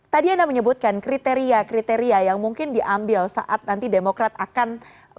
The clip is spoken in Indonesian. tadi anda menyebutkan kriteria kriteria yang mungkin diambil saat nanti demokrat akan